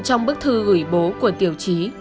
trong bức thư gửi bố của tiểu trí